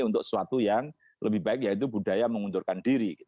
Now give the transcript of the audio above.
untuk sesuatu yang lebih baik yaitu budaya mengundurkan diri